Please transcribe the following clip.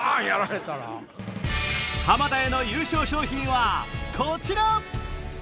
浜田への優勝賞品はこちら！